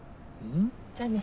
じゃあね。